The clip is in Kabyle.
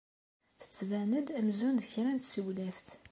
Tettban-d amzun d kra n tsewlaft.